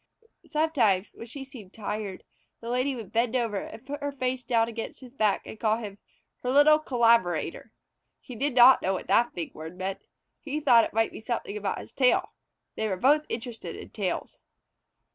Sometimes, when she seemed tired, the Lady would bend over and put her face down against his back and call him "her little collaborator." He did not know what that big word meant. He thought it might be something about his tail. They were both interested in tales.